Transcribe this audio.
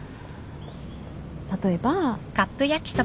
例えば。